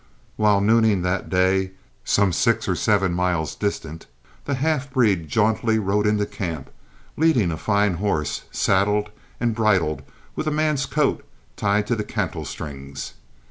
While nooning that day some six or seven miles distant, the half breed jauntily rode into camp, leading a fine horse, saddled and bridled, with a man's coat tied to the cantle strings.